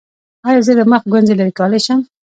ایا زه د مخ ګونځې لرې کولی شم؟